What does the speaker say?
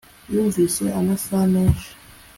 Yumvise amasaha menshi